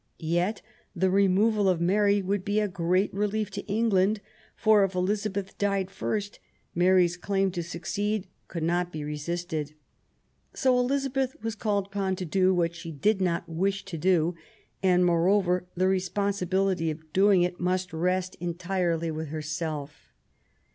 Yet the removal«of Mary would be a great relief to England ; for if Elizabeth died first, Mary's 228 QUEEN ELIZABETH. claim to succeed could not be resisted. So Elizabeth was called upon to do what she did not wish to do ; and, moreover, the responsibility of doing it must rest entirely with herself.